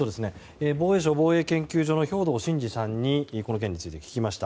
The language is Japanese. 防衛省防衛研究所の兵頭慎治さんにこの件について聞きました。